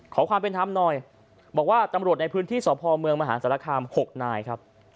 ขอความเป็นธรรมหน่อยบอกว่าตำรวจในพื้นที่สพเมืองมหาศาลคาม๖นายครับ